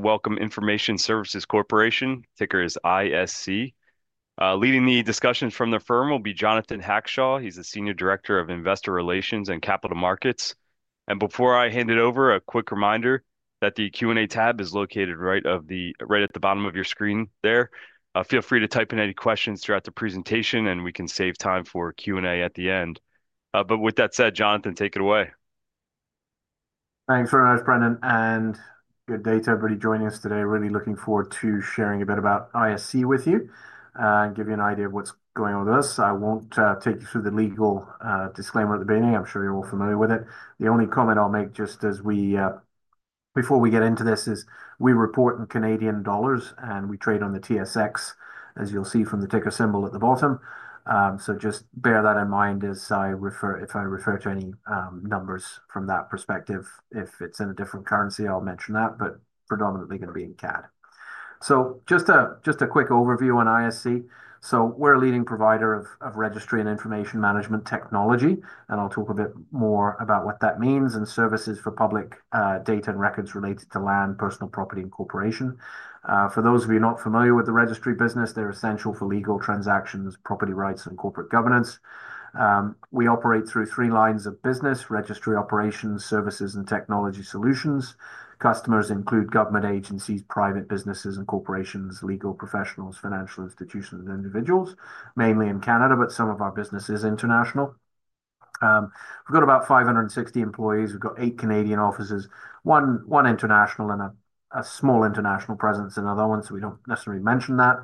Welcome, Information Services Corporation. Ticker is ISC. Leading the discussions from the firm will be Jonathan Hackshaw. He's the Senior Director of Investor Relations and Capital Markets. Before I hand it over, a quick reminder that the Q&A tab is located right at the bottom of your screen there. Feel free to type in any questions throughout the presentation, and we can save time for Q&A at the end. With that said, Jonathan, take it away. Thanks very much, Brendan, and good day to everybody joining us today. Really looking forward to sharing a bit about ISC with you and give you an idea of what's going on with us. I won't take you through the legal disclaimer at the beginning. I'm sure you're all familiar with it. The only comment I'll make just as we before we get into this is we report in Canadian dollars, and we trade on the TSX, as you'll see from the ticker symbol at the bottom. Just bear that in mind as I refer to any numbers from that perspective. If it's in a different currency, I'll mention that, but predominantly going to be in CAD. Just a quick overview on ISC. We're a leading provider of registry and information management technology, and I'll talk a bit more about what that means and services for public data and records related to land, personal property, and corporation. For those of you not familiar with the registry business, they're essential for legal transactions, property rights, and corporate governance. We operate through three lines of business: registry operations, services, and technology solutions. Customers include government agencies, private businesses and corporations, legal professionals, financial institutions, and individuals, mainly in Canada, but some of our business is international. We've got about 560 employees. We've got eight Canadian offices, one international and a small international presence, another one, so we don't necessarily mention that.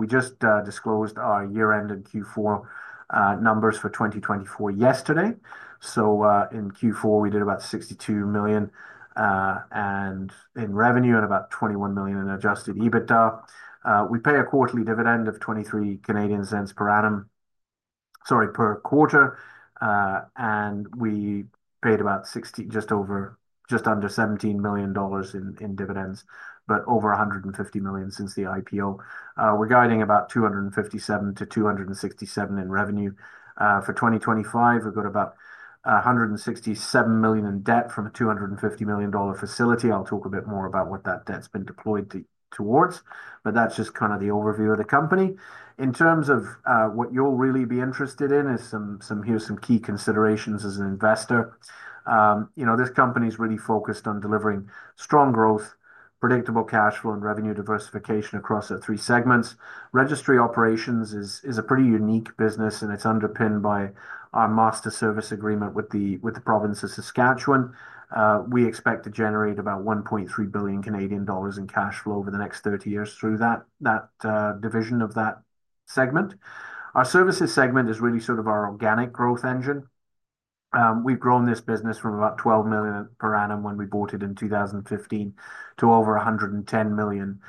We just disclosed our year-end and Q4 numbers for 2024 yesterday. In Q4, we did about 62 million in revenue and about 21 million in Adjusted EBITDA. We pay a quarterly dividend of 0.23 per quarter, and we paid about just under CAD 17 million in dividends, but over 150 million since the IPO. We're guiding about 257 million-267 million in revenue. For 2025, we've got about 167 million in debt from a CAD 250 million facility. I'll talk a bit more about what that debt's been deployed towards, but that's just kind of the overview of the company. In terms of what you'll really be interested in, here are some key considerations as an investor. This company is really focused on delivering strong growth, predictable cash flow, and revenue diversification across our three segments. Registry operations is a pretty unique business, and it's underpinned by our master service agreement with the province of Saskatchewan. We expect to generate about 1.3 billion Canadian dollars in cash flow over the next 30 years through that division of that segment. Our services segment is really sort of our organic growth engine. We've grown this business from about 12 million per annum when we bought it in 2015 to over 110 million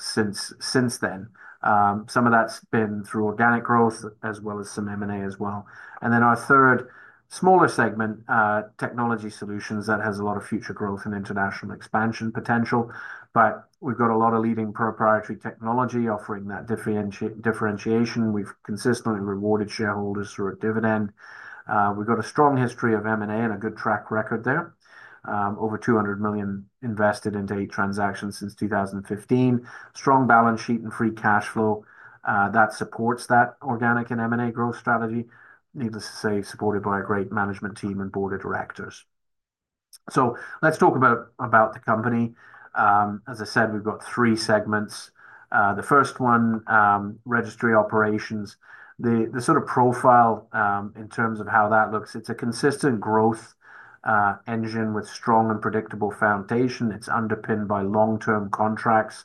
since then. Some of that's been through organic growth as well as some M&A as well. Our third smaller segment, technology solutions, has a lot of future growth and international expansion potential. We've got a lot of leading proprietary technology offering that differentiation. We've consistently rewarded shareholders through a dividend. We've got a strong history of M&A and a good track record there, over 200 million invested into eight transactions since 2015, strong balance sheet and free cash flow that supports that organic and M&A growth strategy, needless to say, supported by a great management team and board of directors. Let's talk about the company. As I said, we've got three segments. The first one, registry operations. The sort of profile in terms of how that looks, it's a consistent growth engine with strong and predictable foundation. It's underpinned by long-term contracts.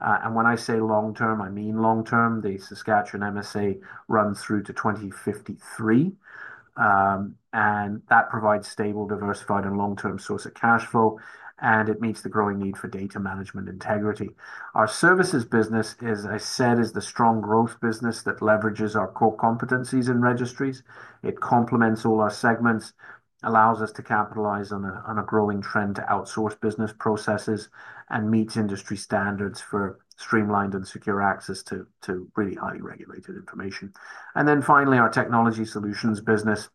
When I say long-term, I mean long-term. The Saskatchewan MSA runs through to 2053, and that provides stable, diversified, and long-term sources of cash flow, and it meets the growing need for data management integrity. Our services business, as I said, is the strong growth business that leverages our core competencies in registries. It complements all our segments, allows us to capitalize on a growing trend to outsource business processes, and meets industry standards for streamlined and secure access to really highly regulated information. Finally, our technology solutions business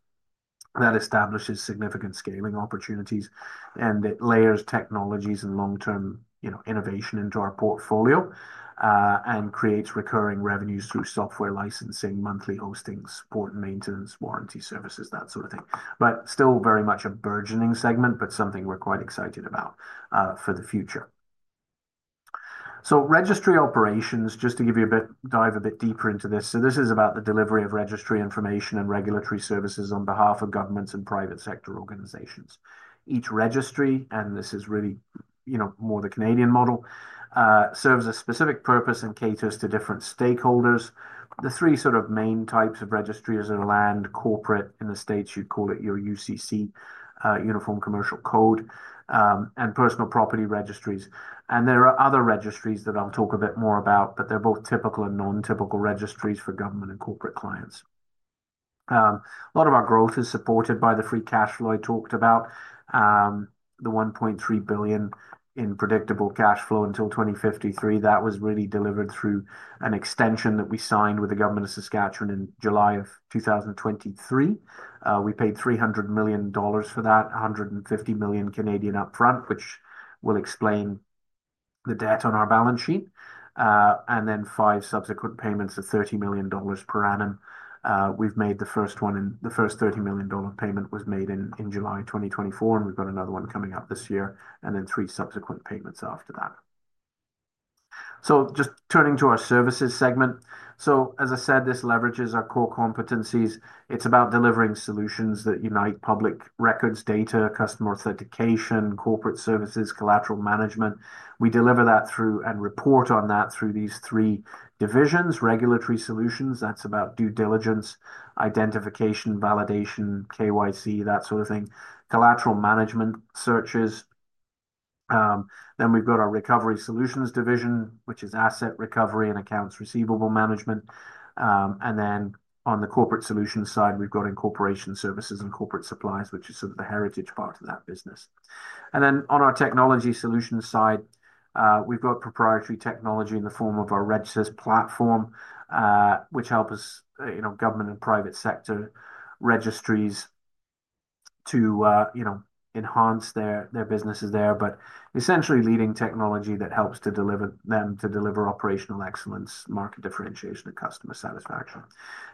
establishes significant scaling opportunities, and it layers technologies and long-term innovation into our portfolio and creates recurring revenues through software licensing, monthly hosting, support, and maintenance warranty services, that sort of thing. Still very much a burgeoning segment, but something we're quite excited about for the future. Registry operations, just to give you a dive a bit deeper into this. This is about the delivery of registry information and regulatory services on behalf of governments and private sector organizations. Each registry, and this is really more the Canadian model, serves a specific purpose and caters to different stakeholders. The three sort of main types of registries are land, corporate, in the states, you'd call it your UCC, Uniform Commercial Code, and personal property registries. There are other registries that I'll talk a bit more about, but they're both typical and non-typical registries for government and corporate clients. A lot of our growth is supported by the free cash flow I talked about, the 1.3 billion in predictable cash flow until 2053. That was really delivered through an extension that we signed with the Government of Saskatchewan in July of 2023. We paid 300 million dollars for that, 150 million Canadian dollars upfront, which will explain the debt on our balance sheet, and then five subsequent payments of 30 million dollars per annum. We've made the first one and the first 30 million dollar payment was made in July 2024, and we've got another one coming up this year, and then three subsequent payments after that. Just turning to our services segment. As I said, this leverages our core competencies. It's about delivering solutions that unite public records, data, customer authentication, corporate services, collateral management. We deliver that through and report on that through these three divisions: regulatory solutions, that's about due diligence, identification, validation, KYC, that sort of thing, collateral management searches. We've got our recovery solutions division, which is asset recovery and accounts receivable management. On the corporate solutions side, we've got incorporation services and corporate supplies, which is sort of the heritage part of that business. On our technology solutions side, we have proprietary technology in the form of our RegSys platform, which helps government and private sector registries to enhance their businesses there, but essentially leading technology that helps to deliver them to deliver operational excellence, market differentiation, and customer satisfaction.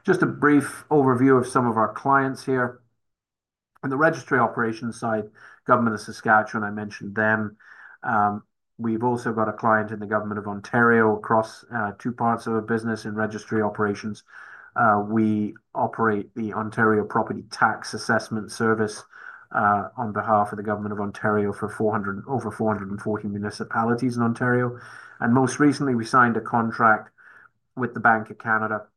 Just a brief overview of some of our clients here. On the registry operations side, Government of Saskatchewan, I mentioned them. We have also got a client in the Government of Ontario across two parts of our business in registry operations. We operate the Ontario Property Tax Assessment Service on behalf of the Government of Ontario for over 440 municipalities in Ontario. Most recently, we signed a contract with the Bank of Canada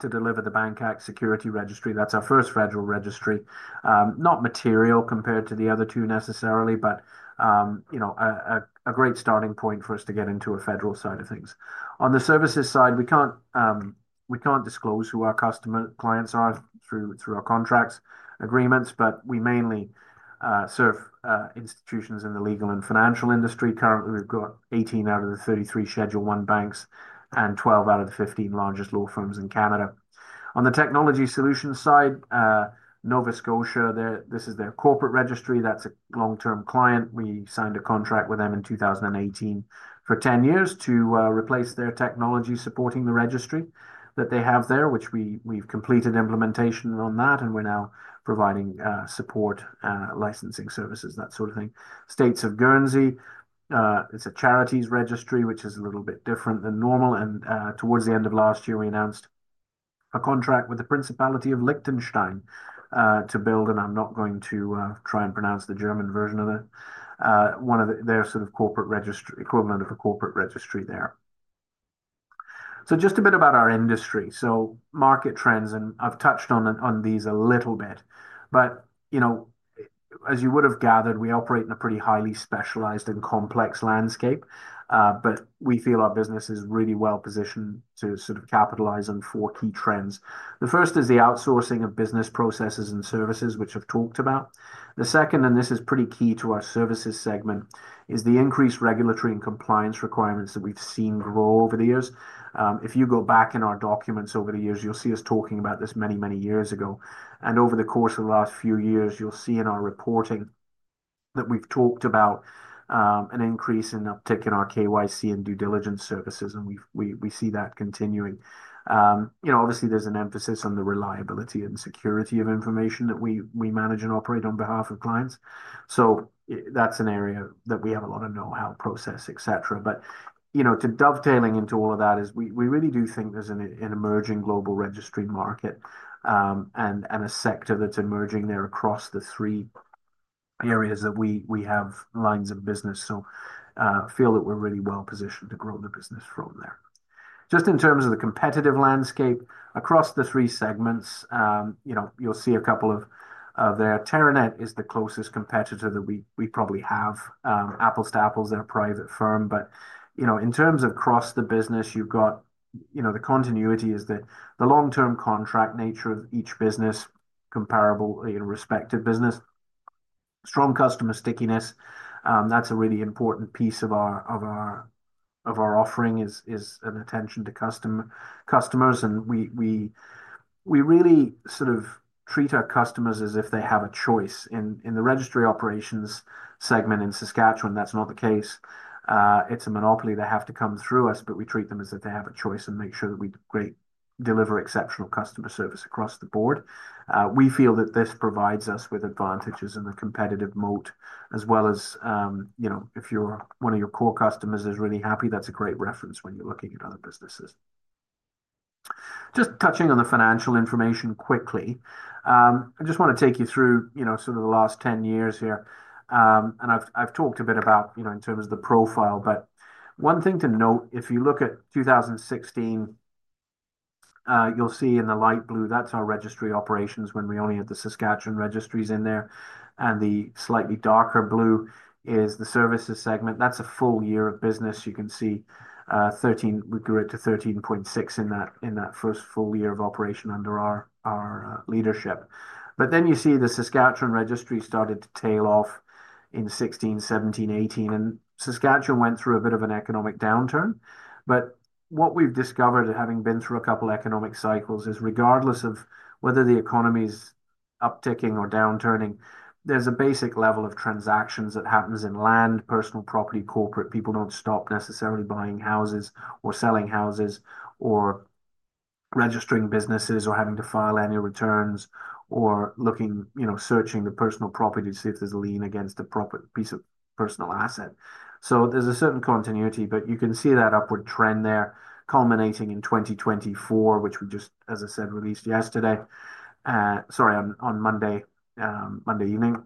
to deliver the Bank Act Security Registry. That's our first federal registry, not material compared to the other two necessarily, but a great starting point for us to get into a federal side of things. On the services side, we can't disclose who our clients are through our contracts agreements, but we mainly serve institutions in the legal and financial industry. Currently, we've got 18 out of the 33 Schedule I banks and 12 out of the 15 largest law firms in Canada. On the technology solutions side, Nova Scotia, this is their corporate registry. That's a long-term client. We signed a contract with them in 2018 for 10 years to replace their technology supporting the registry that they have there, which we've completed implementation on that, and we're now providing support, licensing services, that sort of thing. States of Guernsey, it's a charities registry, which is a little bit different than normal. Towards the end of last year, we announced a contract with the Principality of Liechtenstein to build, and I'm not going to try and pronounce the German version of it, one of their sort of corporate registry, equivalent of a corporate registry there. Just a bit about our industry. Market trends, and I've touched on these a little bit, but as you would have gathered, we operate in a pretty highly specialized and complex landscape, but we feel our business is really well positioned to sort of capitalize on four key trends. The first is the outsourcing of business processes and services, which I've talked about. The second, and this is pretty key to our services segment, is the increased regulatory and compliance requirements that we've seen grow over the years. If you go back in our documents over the years, you'll see us talking about this many, many years ago. Over the course of the last few years, you'll see in our reporting that we've talked about an increase in uptick in our KYC and due diligence services, and we see that continuing. Obviously, there's an emphasis on the reliability and security of information that we manage and operate on behalf of clients. That's an area that we have a lot of know-how, process, etc. Dovetailing into all of that is we really do think there's an emerging global registry market and a sector that's emerging there across the three areas that we have lines of business. I feel that we're really well positioned to grow the business from there. Just in terms of the competitive landscape across the three segments, you'll see a couple of there. Teranet is the closest competitor that we probably have. Apples to apples, they're a private firm. In terms of across the business, you've got the continuity is that the long-term contract nature of each business is comparable in respect to business, strong customer stickiness. That's a really important piece of our offering is an attention to customers. We really sort of treat our customers as if they have a choice. In the registry operations segment in Saskatchewan, that's not the case. It's a monopoly, they have to come through us, but we treat them as if they have a choice and make sure that we deliver exceptional customer service across the board. We feel that this provides us with advantages in the competitive moat as well as if one of your core customers is really happy, that's a great reference when you're looking at other businesses. Just touching on the financial information quickly, I just want to take you through sort of the last 10 years here. I have talked a bit about in terms of the profile, but one thing to note, if you look at 2016, you'll see in the light blue, that's our registry operations when we only had the Saskatchewan registries in there. The slightly darker blue is the services segment. That's a full year of business. You can see we grew it to 13.6 million in that first full year of operation under our leadership. Then you see the Saskatchewan registry started to tail off in 2016, 2017, 2018, and Saskatchewan went through a bit of an economic downturn. What we have discovered, having been through a couple of economic cycles, is regardless of whether the economy is upticking or downturning, there is a basic level of transactions that happens in land, personal property, corporate. People do not stop necessarily buying houses or selling houses or registering businesses or having to file annual returns or looking, searching the personal property to see if there is a lien against a piece of personal asset. There is a certain continuity, but you can see that upward trend there culminating in 2024, which we just, as I said, released on Monday evening.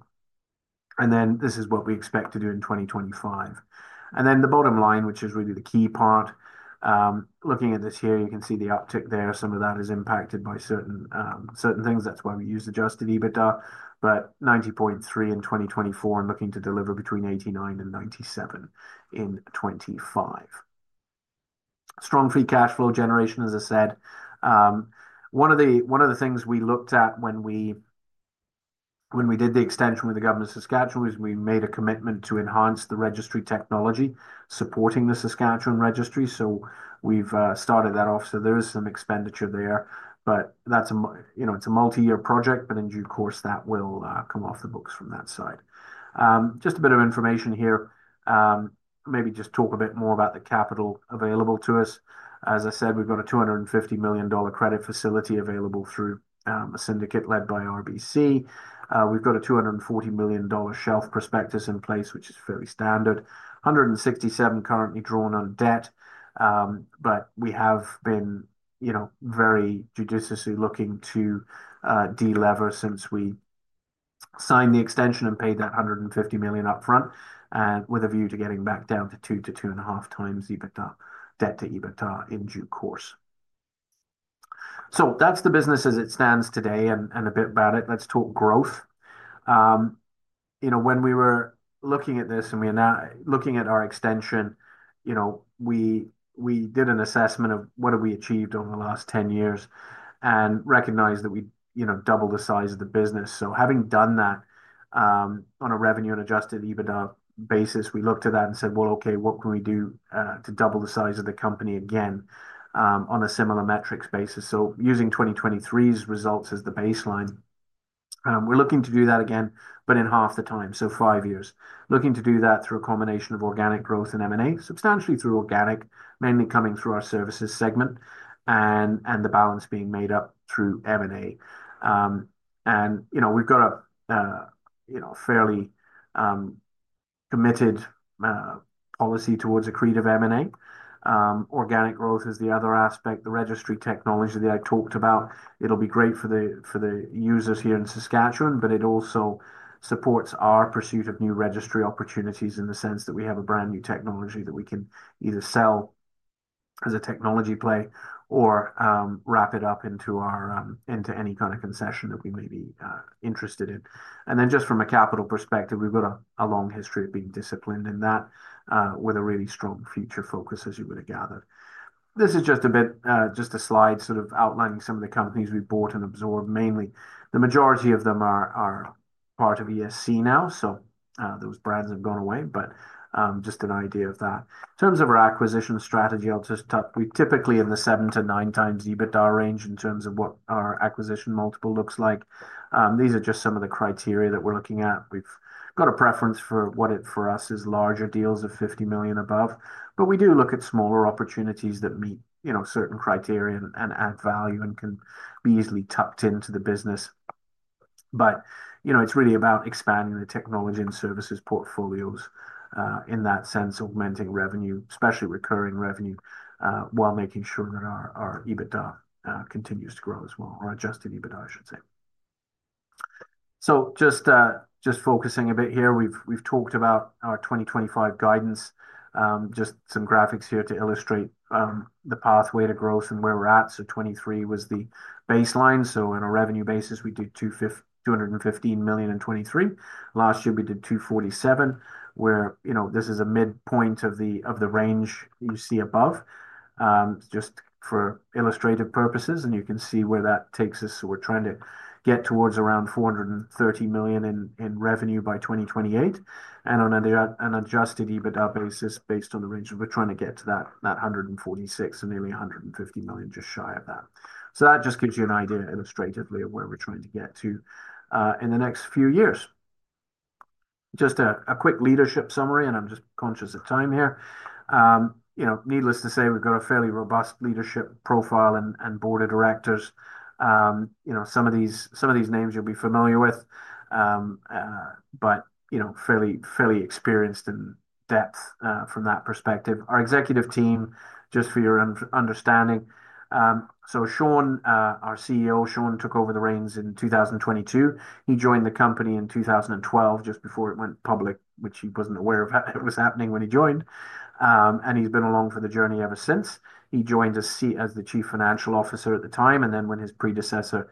This is what we expect to do in 2025. The bottom line, which is really the key part, looking at this here, you can see the uptick there. Some of that is impacted by certain things. That is why we use Adjusted EBITDA, but 90.3 million in 2024 and looking to deliver between 89 million and 97 million in 2025. Strong free cash flow generation, as I said. One of the things we looked at when we did the extension with the Government of Saskatchewan was we made a commitment to enhance the registry technology supporting the Saskatchewan registry. We have started that off. There is some expenditure there, but it is a multi-year project, but in due course, that will come off the books from that side. Just a bit of information here. Maybe just talk a bit more about the capital available to us. As I said, we've got a 250 million dollar credit facility available through a syndicate led by RBC. We've got a 240 million dollar shelf prospectus in place, which is fairly standard. 167 million currently drawn on debt, but we have been very judiciously looking to delever since we signed the extension and paid that 150 million upfront with a view to getting back down to 2-2.5 times EBITDA, debt to EBITDA in due course. That is the business as it stands today and a bit about it. Let's talk growth. When we were looking at this and we are now looking at our extension, we did an assessment of what have we achieved over the last 10 years and recognized that we doubled the size of the business. Having done that on a revenue and Adjusted EBITDA basis, we looked at that and said, "Well, okay, what can we do to double the size of the company again on a similar metrics basis?" Using 2023's results as the baseline, we're looking to do that again, but in half the time, so five years. Looking to do that through a combination of organic growth and M&A, substantially through organic, mainly coming through our services segment and the balance being made up through M&A. We've got a fairly committed policy towards accretive M&A. Organic growth is the other aspect. The registry technology that I talked about, it'll be great for the users here in Saskatchewan, but it also supports our pursuit of new registry opportunities in the sense that we have a brand new technology that we can either sell as a technology play or wrap it up into any kind of concession that we may be interested in. Just from a capital perspective, we've got a long history of being disciplined in that with a really strong future focus, as you would have gathered. This is just a bit, just a slide sort of outlining some of the companies we bought and absorbed mainly. The majority of them are part of ESC now, so those brands have gone away, but just an idea of that. In terms of our acquisition strategy, I'll just touch. We typically in the 7-9 times EBITDA range in terms of what our acquisition multiple looks like. These are just some of the criteria that we're looking at. We've got a preference for what it for us is larger deals of 50 million and above, but we do look at smaller opportunities that meet certain criteria and add value and can be easily tucked into the business. It is really about expanding the technology and services portfolios in that sense, augmenting revenue, especially recurring revenue, while making sure that our EBITDA continues to grow as well, or Adjusted EBITDA, I should say. Just focusing a bit here, we've talked about our 2025 guidance, just some graphics here to illustrate the pathway to growth and where we're at. 2023 was the baseline. On a revenue basis, we did 215 million in 2023. Last year, we did 247 million, where this is a midpoint of the range you see above, just for illustrative purposes, and you can see where that takes us. We are trying to get towards around 430 million in revenue by 2028. On an Adjusted EBITDA basis, based on the range, we are trying to get to that 146 and nearly 150 million, just shy of that. That just gives you an idea illustratively of where we are trying to get to in the next few years. Just a quick leadership summary, and I am just conscious of time here. Needless to say, we have got a fairly robust leadership profile and board of directors. Some of these names you will be familiar with, but fairly experienced in depth from that perspective. Our executive team, just for your understanding. Shawn, our CEO, Shawn took over the reins in 2022. He joined the company in 2012, just before it went public, which he was not aware of what was happening when he joined. He has been along for the journey ever since. He joined as the Chief Financial Officer at the time, and then when his predecessor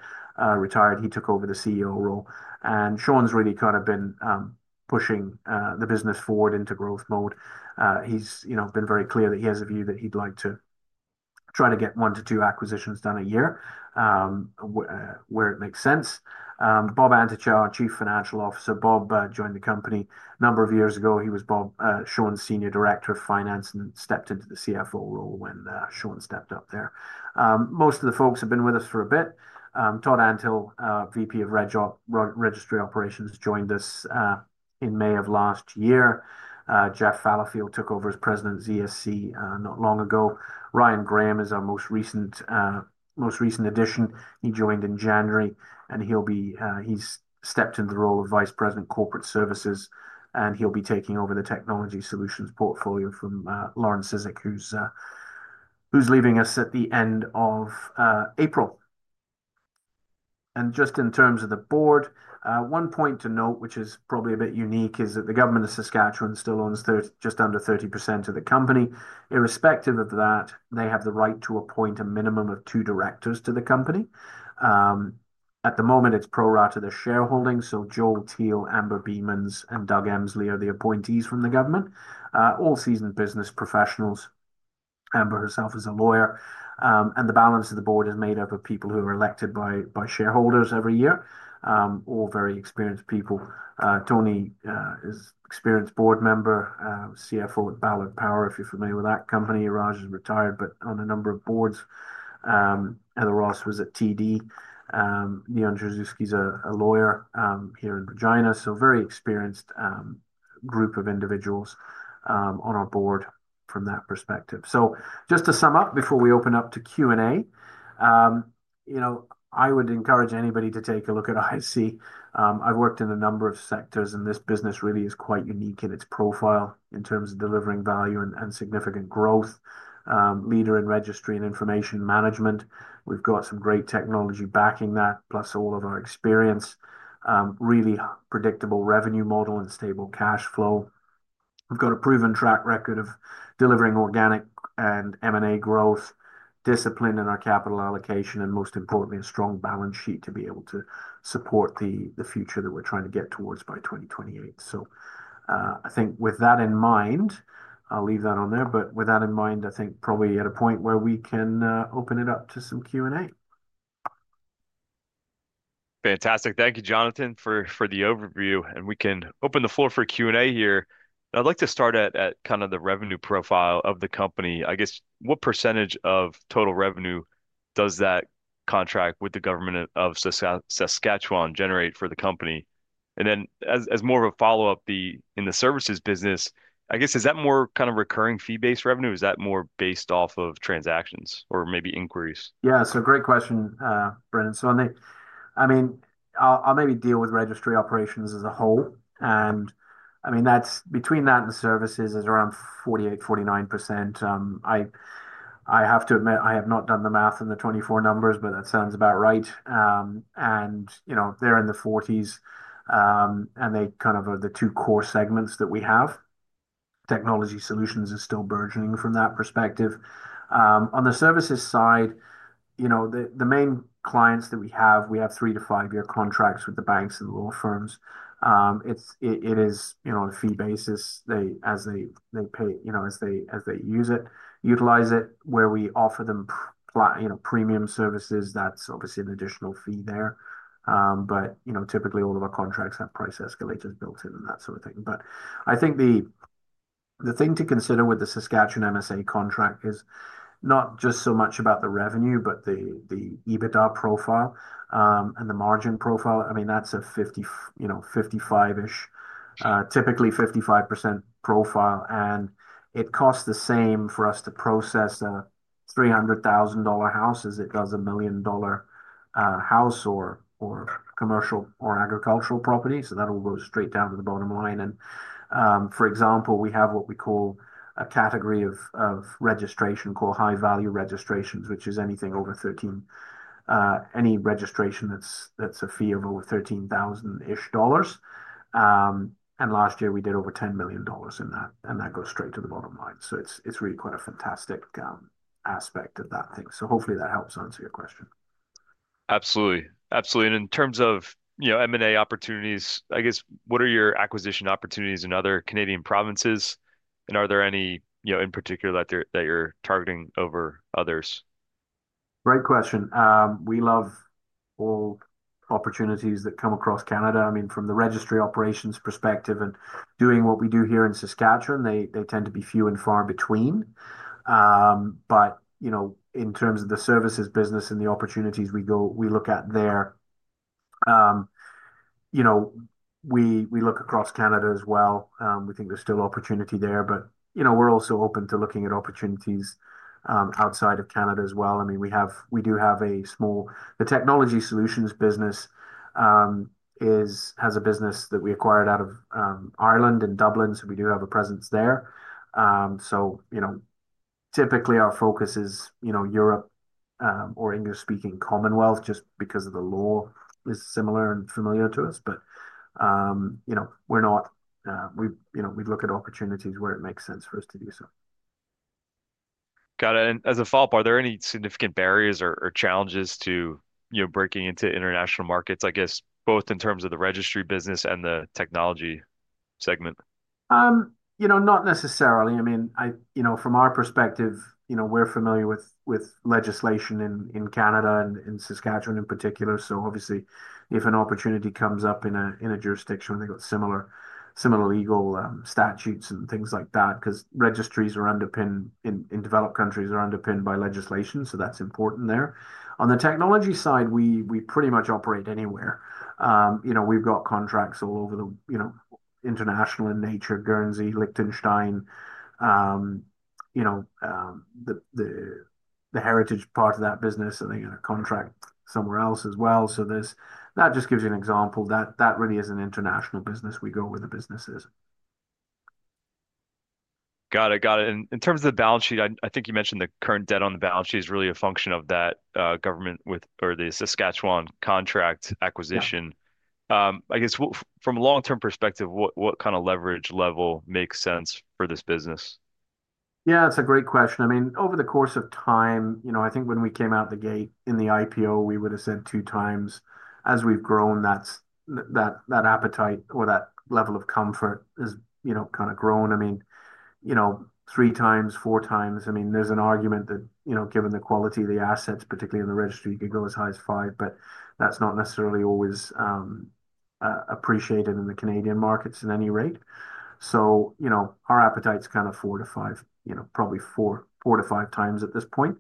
retired, he took over the CEO role. Shawn has really kind of been pushing the business forward into growth mode. He has been very clear that he has a view that he would like to try to get one to two acquisitions done a year where it makes sense. Bob Antochow, Chief Financial Officer, Bob joined the company a number of years ago. He was Shawn's Senior Director of Finance and stepped into the CFO role when Shawn stepped up there. Most of the folks have been with us for a bit. Todd Antill, VP of Registry Operations, joined us in May of last year. Jeff Fallowfield took over as President of ESC not long ago. Ryan Graham is our most recent addition. He joined in January, and he's stepped into the role of Vice President Corporate Services, and he'll be taking over the technology solutions portfolio from Lauren Cizek, who's leaving us at the end of April. In terms of the board, one point to note, which is probably a bit unique, is that the Government of Saskatchewan still owns just under 30% of the company. Irrespective of that, they have the right to appoint a minimum of two directors to the company. At the moment, it's pro-rata to their shareholding. Joel Teal, Amber Biemans, and Doug Emsley are the appointees from the government, all seasoned business professionals. Amber herself is a lawyer. The balance of the board is made up of people who are elected by shareholders every year, all very experienced people. Tony is an experienced board member, CFO at Ballard Power, if you're familiar with that company. Raj is retired, but on a number of boards. Heather Ross was at TD. Leon Brzezinski's a lawyer here in Regina. Very experienced group of individuals on our board from that perspective. Just to sum up before we open up to Q&A, I would encourage anybody to take a look at ISC. I've worked in a number of sectors, and this business really is quite unique in its profile in terms of delivering value and significant growth, leader in registry and information management. We've got some great technology backing that, plus all of our experience, really predictable revenue model and stable cash flow. We've got a proven track record of delivering organic and M&A growth, discipline in our capital allocation, and most importantly, a strong balance sheet to be able to support the future that we're trying to get towards by 2028. I think with that in mind, I'll leave that on there. With that in mind, I think probably at a point where we can open it up to some Q&A. Fantastic. Thank you, Jonathan, for the overview. We can open the floor for Q&A here. I'd like to start at kind of the revenue profile of the company. I guess, what percentage of total revenue does that contract with the Government of Saskatchewan generate for the company? As more of a follow-up in the services business, I guess, is that more kind of recurring fee-based revenue? Is that more based off of transactions or maybe inquiries? Yeah. Great question, Brendan. I mean, I'll maybe deal with registry operations as a whole. I mean, between that and the services is around 48%-49%. I have to admit, I have not done the math in the 2024 numbers, but that sounds about right. They're in the 40s, and they kind of are the two core segments that we have. Technology solutions are still burgeoning from that perspective. On the services side, the main clients that we have, we have 3-5-year contracts with the banks and law firms. It is a fee basis as they pay as they use it, utilize it. Where we offer them premium services, that's obviously an additional fee there. Typically, all of our contracts have price escalators built in and that sort of thing. I think the thing to consider with the Saskatchewan MSA contract is not just so much about the revenue, but the EBITDA profile and the margin profile. I mean, that's a 55%-ish, typically 55% profile. It costs the same for us to process a $300,000 house as it does a $1,000,000 house or commercial or agricultural property. That will go straight down to the bottom line. For example, we have what we call a category of registration called high-value registrations, which is anything over 13, any registration that's a fee of over 13,000-ish dollars. Last year, we did over 10 million dollars in that, and that goes straight to the bottom line. It's really quite a fantastic aspect of that thing. Hopefully, that helps answer your question. Absolutely. Absolutely. In terms of M&A opportunities, I guess, what are your acquisition opportunities in other Canadian provinces? Are there any in particular that you're targeting over others? Great question. We love all opportunities that come across Canada. I mean, from the registry operations perspective and doing what we do here in Saskatchewan, they tend to be few and far between. In terms of the services business and the opportunities we look at there, we look across Canada as well. We think there's still opportunity there, but we're also open to looking at opportunities outside of Canada as well. I mean, we do have a small technology solutions business that has a business that we acquired out of Ireland and Dublin, so we do have a presence there. Typically, our focus is Europe or English-speaking Commonwealth just because the law is similar and familiar to us. We look at opportunities where it makes sense for us to do so. Got it. As a follow-up, are there any significant barriers or challenges to breaking into international markets, I guess, both in terms of the registry business and the technology segment? Not necessarily. I mean, from our perspective, we're familiar with legislation in Canada and Saskatchewan in particular. Obviously, if an opportunity comes up in a jurisdiction where they've got similar legal statutes and things like that, because registries in developed countries are underpinned by legislation, that's important there. On the technology side, we pretty much operate anywhere. We've got contracts that are international in nature, Guernsey, Liechtenstein, the heritage part of that business, and they're going to contract somewhere else as well. That just gives you an example. That really is an international business we go with the businesses. Got it. Got it. In terms of the balance sheet, I think you mentioned the current debt on the balance sheet is really a function of that government with or the Saskatchewan contract acquisition. I guess, from a long-term perspective, what kind of leverage level makes sense for this business? Yeah, that's a great question. I mean, over the course of time, I think when we came out the gate in the IPO, we would have said two times. As we've grown, that appetite or that level of comfort has kind of grown. I mean, three times, four times. I mean, there's an argument that given the quality of the assets, particularly in the registry, you could go as high as five, but that's not necessarily always appreciated in the Canadian markets in any rate. Our appetite's kind of four to five, probably four to five times at this point.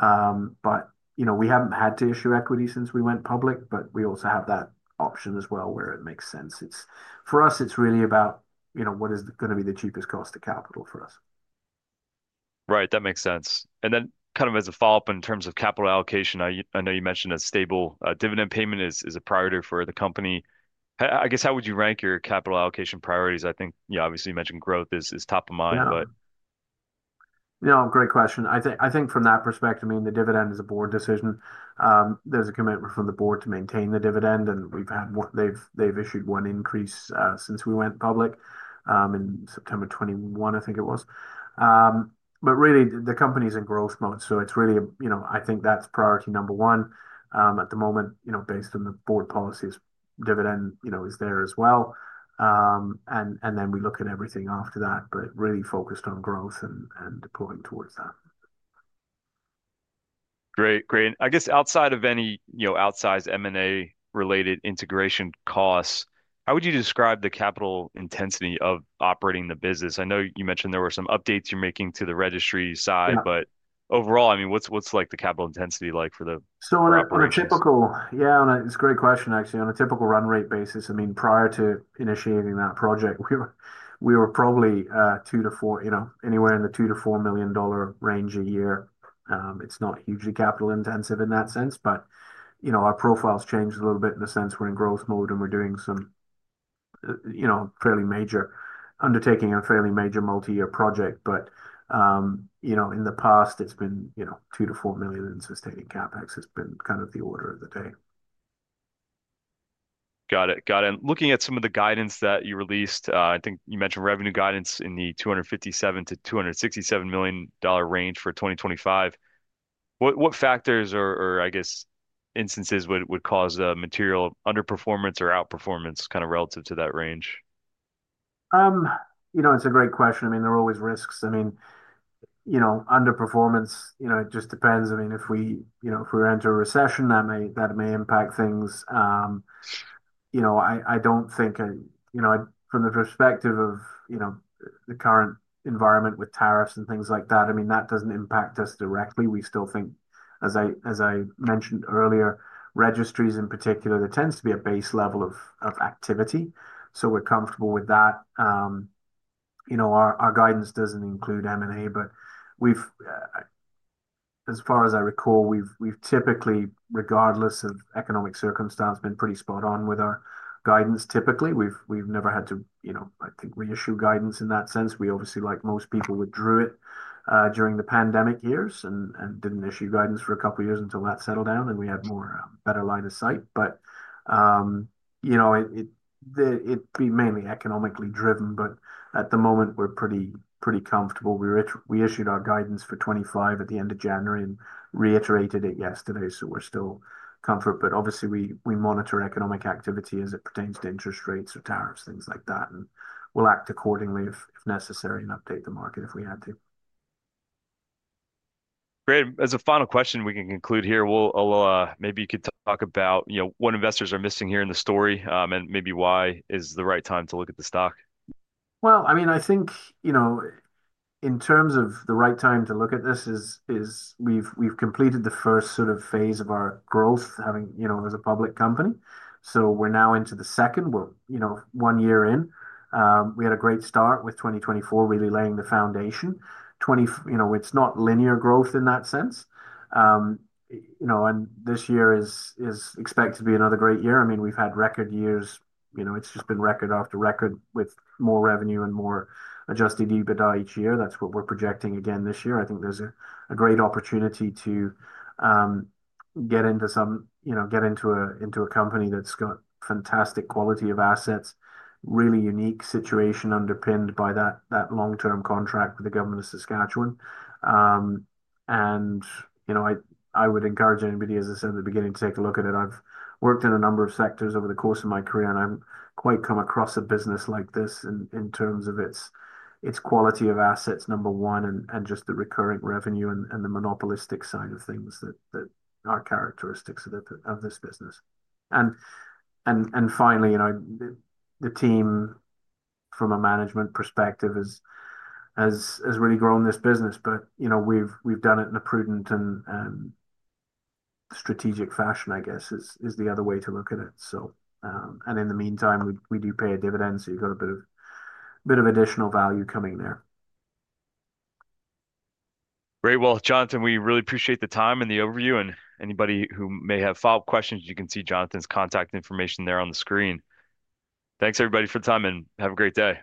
We haven't had to issue equity since we went public, but we also have that option as well where it makes sense. For us, it's really about what is going to be the cheapest cost of capital for us. Right. That makes sense. Kind of as a follow-up in terms of capital allocation, I know you mentioned a stable dividend payment is a priority for the company. I guess, how would you rank your capital allocation priorities? I think, obviously, you mentioned growth is top of mind, but. Great question. I think from that perspective, I mean, the dividend is a board decision. There's a commitment from the board to maintain the dividend, and they've issued one increase since we went public in September 2021, I think it was. Really, the company's in growth mode. It's really, I think that's priority number one at the moment, based on the board policy's dividend is there as well. Then we look at everything after that, but really focused on growth and deploying towards that. Great. Great. I guess, outside of any outsized M&A-related integration costs, how would you describe the capital intensity of operating the business? I know you mentioned there were some updates you're making to the registry side, but overall, I mean, what's the capital intensity like for the? On a typical, yeah, it's a great question, actually. On a typical run rate basis, prior to initiating that project, we were probably 2 million-4 million dollar a year. It's not hugely capital intensive in that sense, but our profile's changed a little bit in the sense we're in growth mode and we're doing some fairly major undertaking and fairly major multi-year project. In the past, it's been 2 million-4 million in sustaining CapEx. It's been kind of the order of the day. Got it. Looking at some of the guidance that you released, I think you mentioned revenue guidance in the 257 million-267 million dollar range for 2025. What factors or, I guess, instances would cause material underperformance or outperformance kind of relative to that range? It's a great question. I mean, there are always risks. I mean, underperformance just depends. I mean, if we enter a recession, that may impact things. I don't think from the perspective of the current environment with tariffs and things like that, I mean, that doesn't impact us directly. We still think, as I mentioned earlier, registries in particular, there tends to be a base level of activity. So we're comfortable with that. Our guidance doesn't include M&A, but as far as I recall, we've typically, regardless of economic circumstance, been pretty spot on with our guidance. Typically, we've never had to, I think, reissue guidance in that sense. We obviously, like most people, withdrew it during the pandemic years and didn't issue guidance for a couple of years until that settled down, and we had a better line of sight. It would be mainly economically driven, but at the moment, we're pretty comfortable. We issued our guidance for 2025 at the end of January and reiterated it yesterday. So we're still comfortable. Obviously, we monitor economic activity as it pertains to interest rates or tariffs, things like that. We will act accordingly if necessary and update the market if we had to. Great. As a final question, we can conclude here. Maybe you could talk about what investors are missing here in the story and maybe why is the right time to look at the stock? I mean, I think in terms of the right time to look at this, we have completed the first sort of phase of our growth as a public company. We are now into the second. We are one year in. We had a great start with 2024, really laying the foundation. It is not linear growth in that sense. This year is expected to be another great year. I mean, we have had record years. It's just been record after record with more revenue and more Adjusted EBITDA each year. That's what we're projecting again this year. I think there's a great opportunity to get into a company that's got fantastic quality of assets, really unique situation underpinned by that long-term contract with the Government of Saskatchewan. I would encourage anybody, as I said at the beginning, to take a look at it. I've worked in a number of sectors over the course of my career, and I've quite come across a business like this in terms of its quality of assets, number one, and just the recurring revenue and the monopolistic side of things that are characteristics of this business. Finally, the team from a management perspective has really grown this business, but we have done it in a prudent and strategic fashion, I guess, is the other way to look at it. In the meantime, we do pay a dividend, so you have got a bit of additional value coming there. Great. Jonathan, we really appreciate the time and the overview. Anybody who may have follow-up questions, you can see Jonathan's contact information there on the screen. Thanks, everybody, for the time, and have a great day.